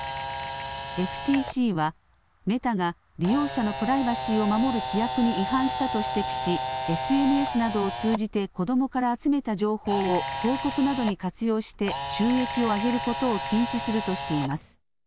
ＦＴＣはメタが利用者のプライバシーを守る規約に違反したと指摘しＳＮＳなどを通じて子どもから集めた情報を広告などに活用して収益を上げることを禁止するとしています。